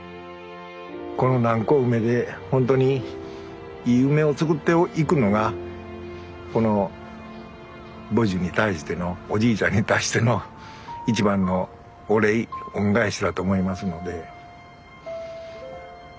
この南高梅でほんとにいい梅を作っていくのがこの母樹に対してのおじいちゃんに対しての一番のお礼恩返しだと思いますので。